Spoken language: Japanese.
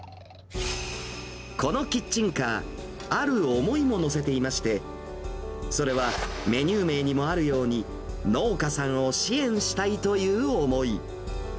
このキッチンカー、ある思いも乗せていまして、それはメニュー名にもあるように、農家さんを支援したいという思い。